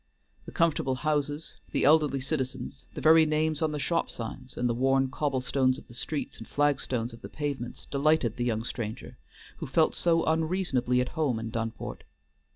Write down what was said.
The comfortable houses, the elderly citizens, the very names on the shop signs, and the worn cobblestones of the streets and flagstones of the pavements, delighted the young stranger, who felt so unreasonably at home in Dunport.